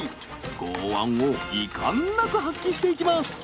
豪腕を遺憾なく発揮していきます。